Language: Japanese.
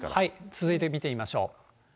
続いて見てみましょう。